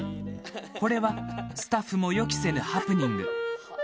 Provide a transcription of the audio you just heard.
これはスタッフも予期せぬハプニング。